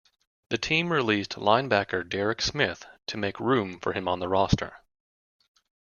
The team released linebacker Derek Smith to make room for him on the roster.